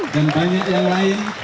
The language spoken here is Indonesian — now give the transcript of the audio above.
dan banyak yang lain